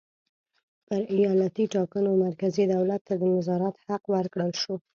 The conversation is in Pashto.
پر ایالتي ټاکنو مرکزي دولت ته د نظارت حق ورکړل شو.